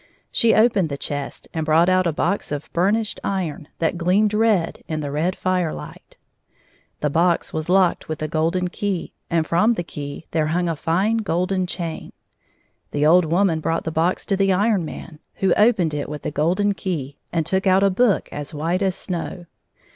She opened the chest and brought out a box of burnished iron that gleamed red in the red fire hght. The box was locked with a golden key, and from the key there hung a fine golden chain. The old woman brought the box to the Iron Man, who opened it with the golden key, and took out a book as white as snow.